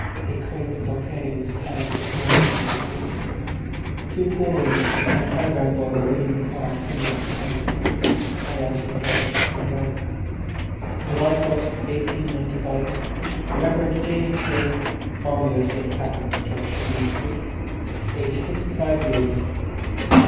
A crape bouquet was tied to the door knocker with ribbon. Two poor women and a telegram boy were reading the card pinned on the crape. I also approached and read: July 1st, 1895 The Rev. James Flynn (formerly of S. Catherine's Church, Meath Street), aged sixty five years.